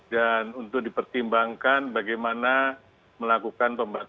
dan untuk dipertimbangkan bagaimana melakukan pembatasan